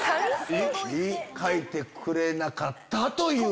描いてくれなかったという。